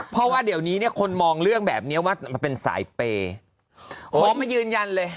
เพราะว่าเดี๋ยวนี้เนี่ยคนมองเรื่องแบบนี้ว่ามันเป็นสายเปย์ขอมายืนยันเลย